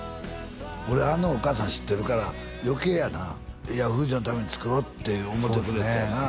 俺あのお母さん知ってるから余計やな楓珠のために作ろうって思ってくれたんやな